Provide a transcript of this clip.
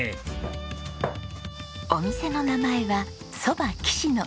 お店の名前は蕎麦きし野。